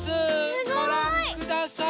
ごらんください。